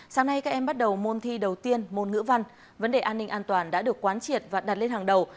sáng nay các em bắt đầu môn thi đầu tiên môn ngữ văn vấn đề an ninh an toàn đã được quán triệt và đặt lên hàng đầu